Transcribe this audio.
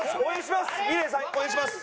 応援します！